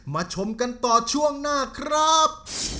ชมกันต่อช่วงหน้าครับ